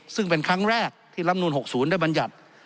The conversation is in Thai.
ซึ่งเป็นครั้งแรกที่ลำนูล๖๐ได้บรรยัติ